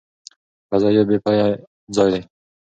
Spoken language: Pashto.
فضا یو بې پایه ځای دی.